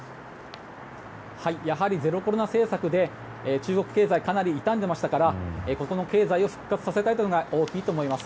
やはりゼロコロナ政策で中国経済はかなり傷んでいましたからここの経済を復活させたいというのが大きいと思います。